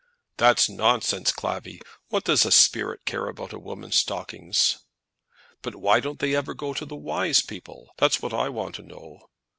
"That's nonsense, Clavvy. What does a spirit care about a woman's stockings?" "But why don't they ever go to the wise people? that's what I want to know."